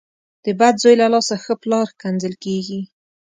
ـ د بد زوی له لاسه ښه پلار کنځل کېږي .